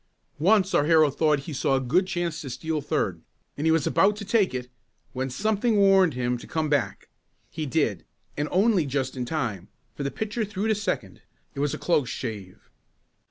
Once our hero thought he saw a good chance to steal third and he was about to take it when something warned him to come back. He did, and only just in time, for the pitcher threw to second. It was a close shave.